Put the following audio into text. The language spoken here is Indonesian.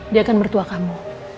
dia kan mertua kamu